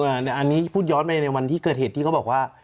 อันนี้พูดย้อนไปในวันที่เกิดเหตุที่เขาบอกว่า